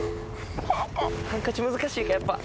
ハンカチ難しいかやっぱ。